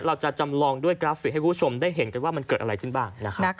เราจะจำลองด้วยกราฟิกให้คุณผู้ชมได้เห็นกันว่ามันเกิดอะไรขึ้นบ้างนะครับ